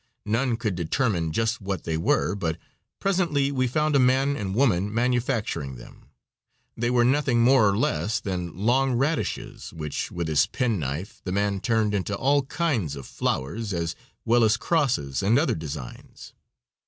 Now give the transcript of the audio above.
None could determine just what they were, but presently we found a man and woman manufacturing them. They were nothing more or less than long radishes, which with his penknife the man turned into all kinds of flowers, as well as crosses and other designs.